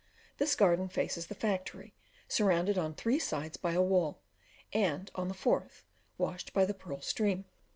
This garden faces the factory, surrounded on three sides by a wall, and, on the fourth, washed by the Pearl stream.